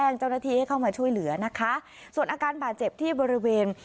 เจ้าหน้าที่ให้เข้ามาช่วยเหลือนะคะส่วนอาการบาดเจ็บที่บริเวณ